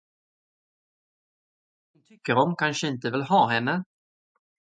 Den hon tycker om kanske inte vill ha henne.